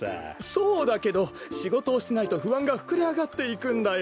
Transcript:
そうだけどしごとをしないとふあんがふくれあがっていくんだよ。